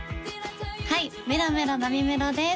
はいメロメロなみめろです